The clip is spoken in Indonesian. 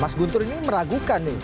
mas guntur ini meragukan nih